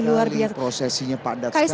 tamunya banyak sekali prosesinya padat sekali